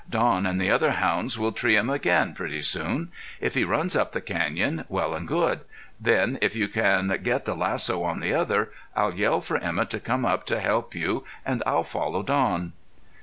Don and the other hounds will tree him again pretty soon. If he runs up the canyon, well and good. Then, if you can get the lasso on the other, I'll yell for Emett to come up to help you, and I'll follow Don."